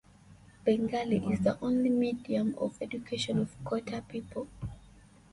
Bengali is the only medium of education of Khotta People.